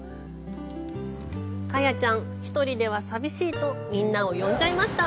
カヤちゃん、１人では寂しいとみんなを呼んじゃいました。